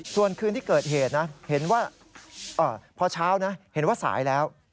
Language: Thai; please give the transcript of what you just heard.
ส่วนคืนที่เกิดเหตุเพราะเช้าเห็นว่าสายแล้ว